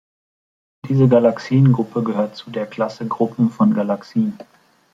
Diese Galaxiengruppe gehört zu der Klasse Gruppen von Galaxien.